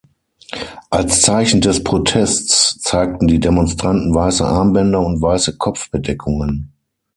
Als Zeichen des Protests zeigten die Demonstranten weiße Armbänder und weiße Kopfbedeckungen.